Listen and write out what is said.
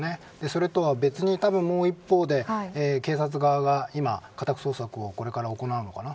それとは別に、もう一方で警察側が家宅捜索をこれから行うのかな。